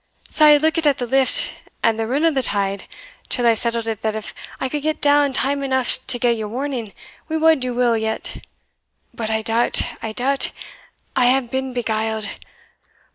Sae I lookit at the lift and the rin o' the tide, till I settled it that if I could get down time eneugh to gie you warning, we wad do weel yet. But I doubt, I doubt, I have been beguiled!